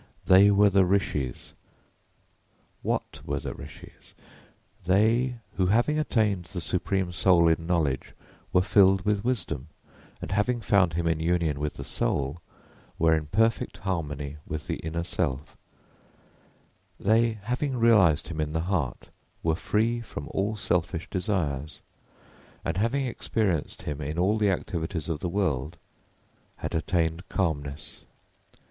They were the rishis. What were the rishis? _They who having attained the supreme soul in knowledge were filled with wisdom, and having found him in union with the soul were in perfect harmony with the inner self; they having realised him in the heart were free from all selfish desires, and having experienced him in all the activities of the world, had attained calmness.